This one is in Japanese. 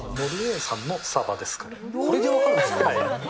これで分かるんですか。